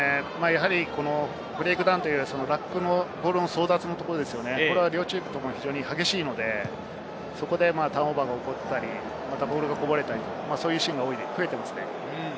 ブレイクダウンというラックのボールの争奪のところ、両チームとも激しいので、そこでターンオーバーが起こったり、ボールがこぼれたり、そういうシーンが増えています。